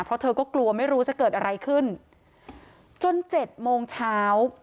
เพราะเธอก็กลัวไม่รู้จะเกิดอะไรขึ้นจนเจ็ดโมงเช้า